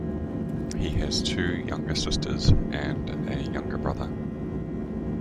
He has two younger sisters and a younger brother.